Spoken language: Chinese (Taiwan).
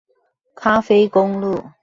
咖啡公路